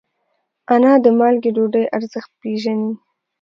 انا د مالګې ډوډۍ ارزښت پېژني